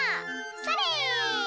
それ！